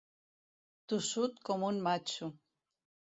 Tossut com un matxo.